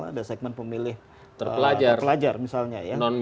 ada segmen pemilih pelajar misalnya ya